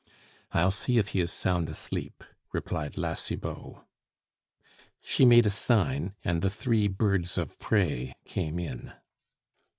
"I'll see if he is sound asleep," replied La Cibot. She made a sign, and the three birds of prey came in.